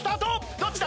どっちだ？